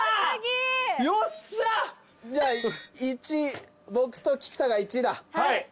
じゃあ僕と菊田が１だ。